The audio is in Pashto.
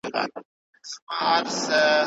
ټولنپوهنه د ډلو د تعاملاتو په پوهیدو کې مرسته کوي.